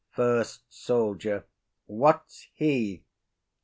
FIRST SOLDIER. What's he?